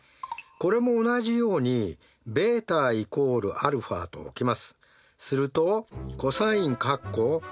これも同じようにβ＝αとおきます。